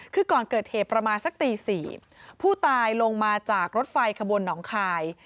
คือก่อนเกิดเหตุประมาณสักตี๔ผู้ตายลงมาจากรถไฟขบวนหนองคาย